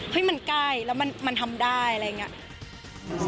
มันใกล้แล้วมันทำได้อะไรอย่างนี้